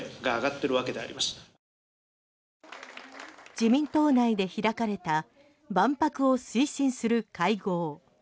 自民党内で開かれた万博を推進する会合。